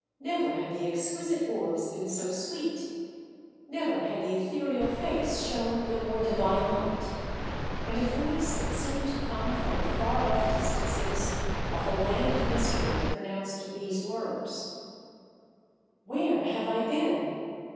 Never had the exquisite orbs been so sweet, never had the ethereal face shone with a more divine light; and a voice that seemed to come from the far off distances of the land of mystery pronounced these words: "Where have I been?